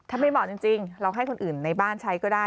ถ้าไม่เหมาะจริงเราให้คนอื่นในบ้านใช้ก็ได้